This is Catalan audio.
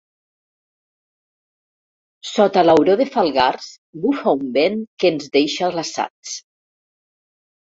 Sota l'auró de Falgars bufa un vent que ens deixa glaçats.